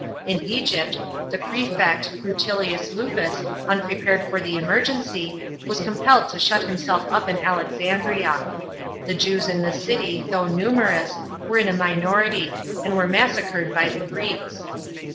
In Egypt, the prelect Rutilius Lupus unprepared for the emergency, was compelled to shut nunseif up in Alexandria. The Jews in the city, though numerous, were in a minority, and were massacred by the Greeks.